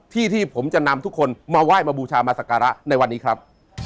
ที่ที่ผมจะนำทุกคนมาไหว้มาบูชามาสักการะในวันนี้ครับ